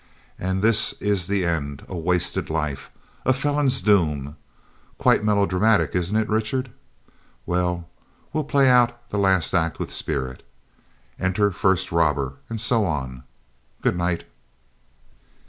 And this is the end a wasted life, a felon's doom! Quite melodramatic, isn't it, Richard? Well, we'll play out the last act with spirit. "Enter first robber," and so on. Good night.'